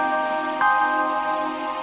udah gue arena tim ini